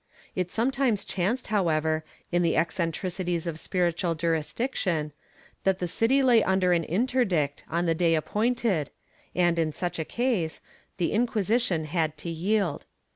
It sometimes chanced, however, in the eccentricities of spiritual juris diction, that the city lay under an interdict on the day appointed and, in such case, the Inquisition had to yield.